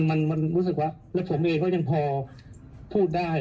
มันรู้สึกว่าแล้วผมเองก็ยังพอพูดได้